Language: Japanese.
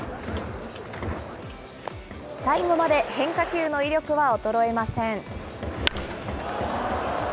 最後まで変化球の威力は衰えません。